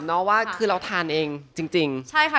สวัสดีค่ะ